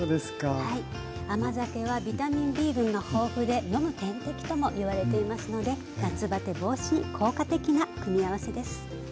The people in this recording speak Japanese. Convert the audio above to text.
甘酒はビタミンＢ群が豊富で飲む点滴ともいわれていますので夏バテ防止に効果的な組み合わせです。